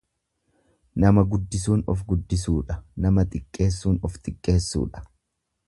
Nama guddisuun of guddisuudha, nama xiqqeessuun of xiqqeessuudha.